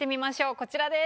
こちらです。